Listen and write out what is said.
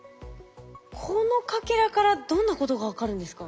このかけらからどんなことが分かるんですか？